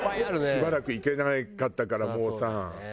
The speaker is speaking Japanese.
しばらく行けなかったからもうさ。